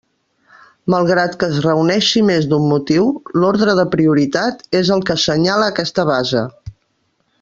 Malgrat que es reuneixi més d'un motiu, l'ordre de prioritat és el que assenyala aquesta base.